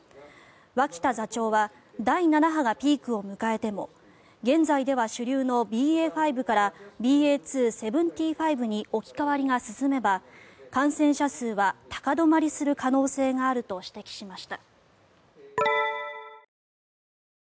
脇田座長は第７波がピークを迎えても現在では主流のＢＡ．５からＢＡ．２．７５に置き換わりが進めば感染者数は高止まりする可能性があると指摘しました。